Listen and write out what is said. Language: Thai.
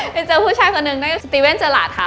ไปเจอผู้ชายคนหนึ่งนั่งสติเว่นเจอหลาดค่ะ